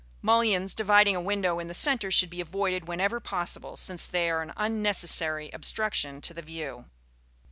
Mullions dividing a window in the centre should be avoided whenever possible, since they are an unnecessary obstruction to the view.